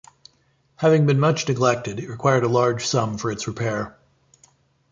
Having been much neglected, it required a large sum for its repair.